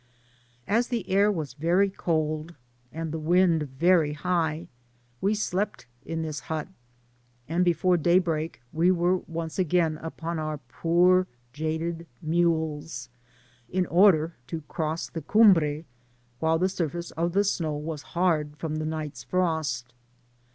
As the air was very cold, and the wind very high, we slept in this hut, and before day break we were once again upon our poor jaded mules, in order to cross the Cumbre, while the surface of the snow was hard from the night's frost.